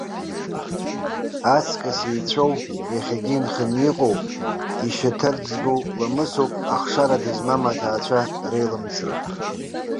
Аҵкыс еицәоу, иахьагьы инханы иҟоу, ишьаҭарӡгоу ламысуп ахшара дызмам аҭаацәа реилымҵра.